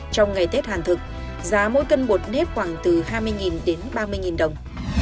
trong ngày tết hàn thực giá mỗi cân bột nếp khoảng từ hai mươi đến ba mươi đồng